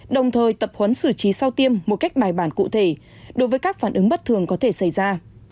đồng thời tập huấn xử trí sau tiêm một cách bài bản cụ thể đối với các phản ứng bất thường có thể xảy ra